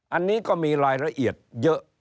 อันนี้ก็มีรายละเอียดเยอะ